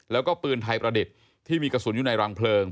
แล้วก็ปืนไทยประดิษฐ์ที่มีกระสุนอยู่ในรังเพลิง